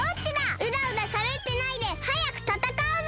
うだうだしゃべってないではやくたたかうぞ！